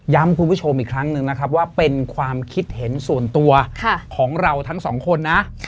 คุณผู้ชมอีกครั้งหนึ่งนะครับว่าเป็นความคิดเห็นส่วนตัวของเราทั้งสองคนนะ